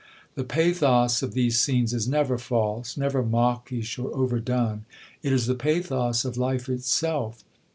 The pathos of these scenes is never false, never mawkish or overdone; it is the pathos of life itself.